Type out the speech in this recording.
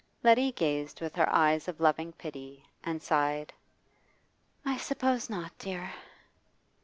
Letty gazed with her eyes of loving pity, and sighed, 'I suppose not, dear.